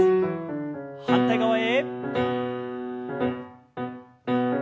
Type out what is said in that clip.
反対側へ。